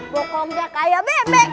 pokoknya seperti bebek